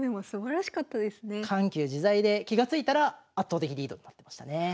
緩急自在で気が付いたら圧倒的リードになってましたね。